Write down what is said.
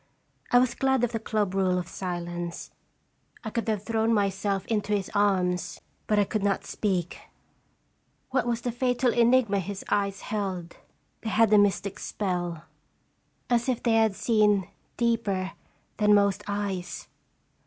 I was glad of the club rule of silence. I could have thrown myself into his arms, but I could not speak. What was the fatal enigma his eyes held? They had a mystic spell, as if they had seen "Qtre ttye Uteafc SDeafc?" 309 deeper than most eyes.